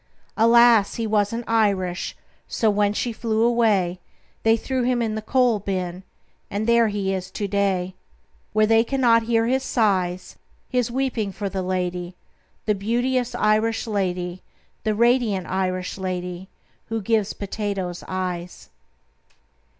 Alas, he wasn't Irish. So when she flew away, They threw him in the coal bin And there he is to day, Where they cannot hear his sighs His weeping for the lady, The beauteous Irish lady, The radiant Irish lady Who gives potatoes eyes."